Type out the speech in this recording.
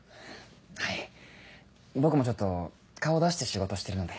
はい僕もちょっと顔出して仕事してるので。